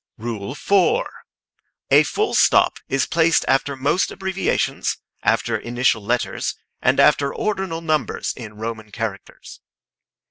A full stop is placed after most abbreviations, after initial letters, and after ordinal numbers in Roman characters.